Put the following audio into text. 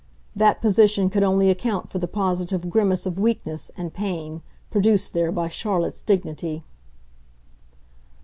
That position only could account for the positive grimace of weakness and pain produced there by Charlotte's dignity.